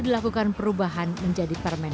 dilakukan perubahan menjadi permanent